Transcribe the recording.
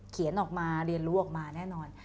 เขียนออกมาเรียนรู้ออกมาแน่นอน